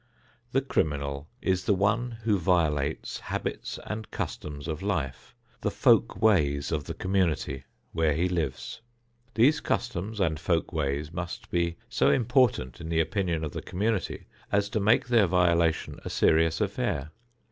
The criminal is the one who violates habits and customs of life, the "folk ways" of the community where he lives. These customs and folk ways must be so important in the opinion of the community as to make their violation a serious affair.